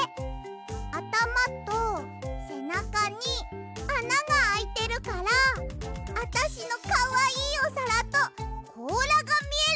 あたまとせなかにあながあいてるからあたしのかわいいおさらとこうらがみえるんだよ！